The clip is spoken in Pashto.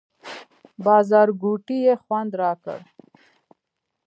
بازارګوټي یې خوند راکړ.